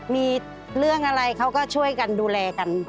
มีเรื่องอะไรเขาก็ช่วยกันดูแลกัน